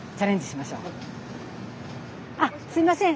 あっすいません。